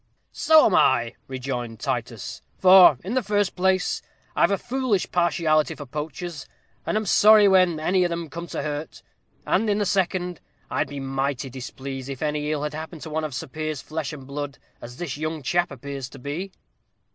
"So am I," rejoined Titus; "for, in the first place, I've a foolish partiality for poachers, and am sorry when any of 'em come to hurt; and, in the second, I'd be mighty displeased if any ill had happened to one of Sir Piers's flesh and blood, as this young chap appears to be."